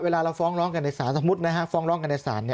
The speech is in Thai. เราฟ้องร้องกันในศาลสมมุติฟ้องร้องกันในศาล